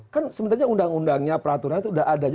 kan sebenarnya undang undangnya peraturan itu sudah ada